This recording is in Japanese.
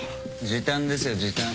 時短ですよ時短。